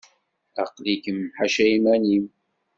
Aql-ikem ḥaca iman-im.